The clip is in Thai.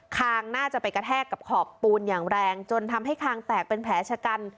คางน่าจะไปกระแทกกับขอบปูนอย่างแรงจนทำให้คางแตกเป็นแผลชะกัน